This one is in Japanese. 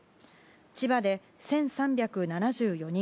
千葉で１３７４人